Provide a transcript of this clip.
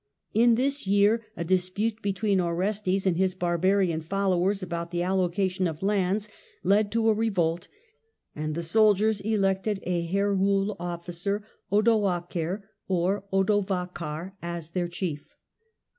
In this year a dispute between Orestes and his barbarian followers about the allocation of lands led to a revolt, and the soldiers elected a Herule officer, Odoacer (or Odovakar) , as their chief.